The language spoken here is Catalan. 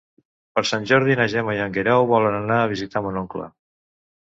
Per Sant Jordi na Gemma i en Guerau volen anar a visitar mon oncle.